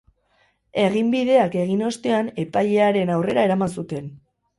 Eginbideak egin ostean epailearen aurrera eraman zuten.